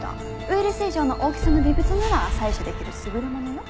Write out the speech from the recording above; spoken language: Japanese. ウイルス以上の大きさの微物なら採取できる優れものよ。